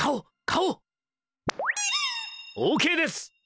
オーケーです！